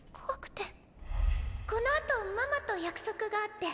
このあとママと約束があって。